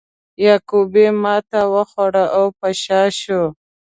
یعقوب ماتې وخوړه او په شا شو.